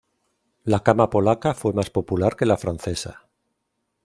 La cama polaca fue más popular que la francesa.